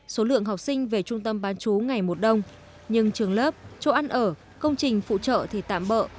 số lượng học sinh về trung tâm bán chú ngày một đông nhưng trường lớp chỗ ăn ở công trình phụ trợ thì tạm bỡ